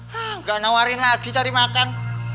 hah nggak nawarin lagi cari makan